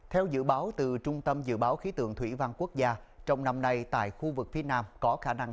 theo dự báo từ trung tâm dự báo khí tượng thủy văn quốc gia trong năm nay tại khu vực phía nam có khả năng